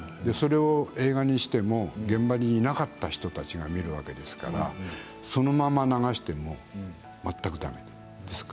それを映画にして現場にいなかった人たちが見るわけですからそのまま流しても全くだめで。